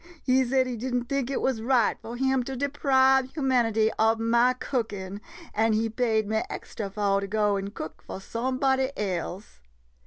He said he did n't think it wuz right fo' him to deprive humanity ob ma cookin' — an' he paid me extra fo' to go an' cook fo' some body else.